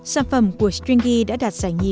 sản phẩm của stringy đã đạt giải nghị